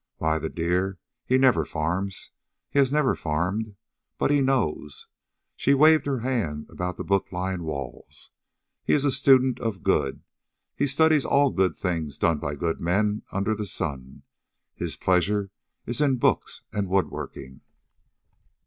"Why, the dear, he never farms. He has never farmed. But he knows." She waved her hand about the booklined walls. "He is a student of good. He studies all good things done by good men under the sun. His pleasure is in books and wood working."